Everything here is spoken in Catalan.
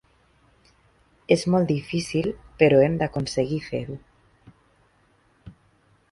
És molt difícil, però hem d’aconseguir fer-ho.